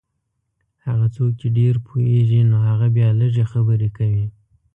هغه څوک چې ډېر پوهېږي نو هغه بیا لږې خبرې کوي.